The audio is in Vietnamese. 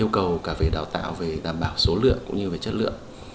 yêu cầu cả về đào tạo về đảm bảo số lượng cũng như về chất lượng